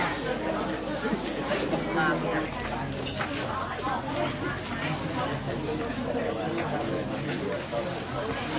น้องชัดอ่อนชุดแรกก็จะเป็นตัวที่สุดท้าย